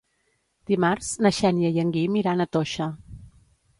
Dimarts na Xènia i en Guim iran a Toixa.